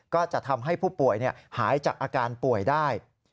ก็จะทำให้ผู้ป่วยหายจากอาการป่วยได้